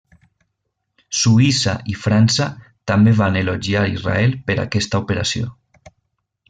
Suïssa i França també van elogiar Israel per aquesta operació.